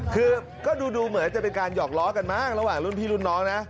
คือก็ดูเหมือนจะเป็นการหอกล้อกันบ้างระหว่างรุ่นพี่รุ่นน้องนะ